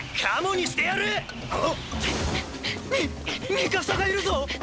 ミミカサがいるぞ！